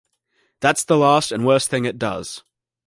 That's the last and worst thing it does.